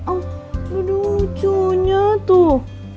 oh aduh lucunya tuh